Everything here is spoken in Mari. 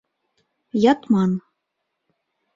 Ятман.